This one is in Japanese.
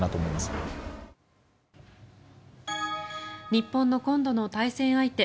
日本の今度の対戦相手